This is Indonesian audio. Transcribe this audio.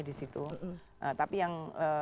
disitu tapi yang